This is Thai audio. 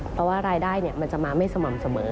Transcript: เพราะว่ารายได้มันจะมาไม่สม่ำเสมอ